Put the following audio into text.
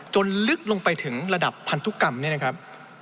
ลึกลงไปถึงระดับพันธุกรรมเนี่ยนะครับ